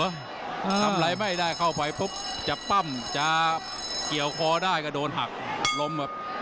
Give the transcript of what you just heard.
ทำอะไรไม่ได้เข้าไปปุ๊บจะปั้มจะเกี่ยวคอได้ก็โดนหักล้มครับ